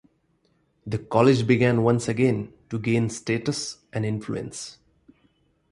The College began once again to gain status and influence.